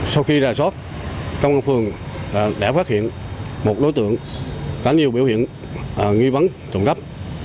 sau khi ra soát công an phường đã phát hiện một đối tượng có nhiều biểu hiện nghi vấn trộm cắp